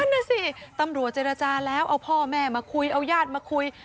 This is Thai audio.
น่ะสิตำรวจเจรจาแล้วเอาพ่อแม่มาคุยเอาญาติมาคุย